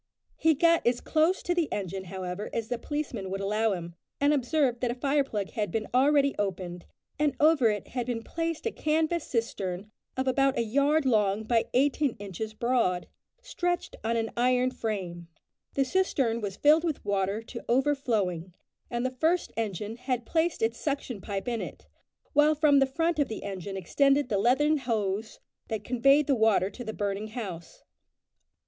He got as close to the engine, however, as the policemen would allow him, and observed that a fire plug had been already opened, and over it had been placed a canvas cistern of about a yard long by eighteen inches broad, stretched on an iron frame. The cistern was filled with water to overflowing, and the first engine had placed its suction pipe in it, while from the front of the engine extended the leathern hose that conveyed the water to the burning house.